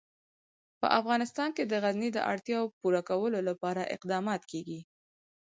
په افغانستان کې د غزني د اړتیاوو پوره کولو لپاره اقدامات کېږي.